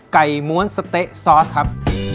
ม้วนสะเต๊ะซอสครับ